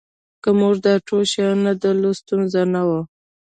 که موږ دا ټول شیان نه درلودل ستونزه نه وه